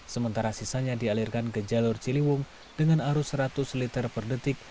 sementara sisanya dialirkan ke jalur ciliwung dengan arus seratus liter per detik